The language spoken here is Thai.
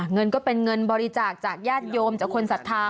เงินก็เป็นเงินบริจาคจากญาติโยมจากคนศรัทธา